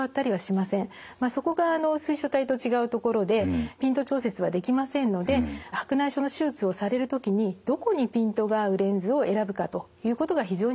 まあそこが水晶体と違うところでピント調節はできませんので白内障の手術をされる時にどこにピントが合うレンズを選ぶかということが非常に重要になってきます。